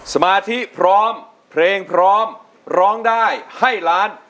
สมาธิพร้อมเพลงพร้อมร้องได้ให้ล้าน